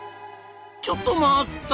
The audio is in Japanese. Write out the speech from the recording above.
ちょっと待った！